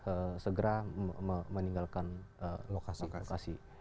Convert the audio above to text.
eh segera meninggalkan lokasi